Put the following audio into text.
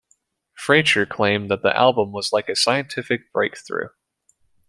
Fraiture claimed that the album was "like a scientific breakthrough".